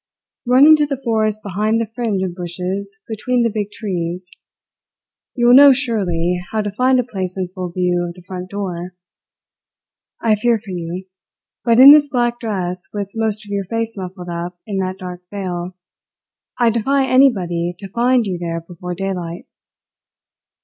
Run into the forest behind the fringe of bushes between the big trees. You will know, surely, how to find a place in full view of the front door. I fear for you; but in this black dress, with most of your face muffled up in that dark veil, I defy anybody to find you there before daylight.